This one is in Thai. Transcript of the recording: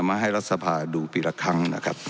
มาให้รัฐสภาดูปีละครั้ง